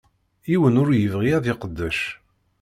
Yiwen ur yebɣi ad yeqdec.